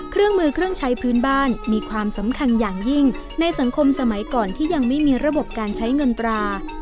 เครื่องมือเครื่องใช้พื้นบ้านมีความสำคัญอย่างยิ่งในสังคมสมัยก่อนที่ยังไม่มีระบบการใช้เงินตรา